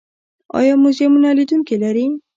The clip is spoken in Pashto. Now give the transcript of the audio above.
آیا موزیمونه لیدونکي لري؟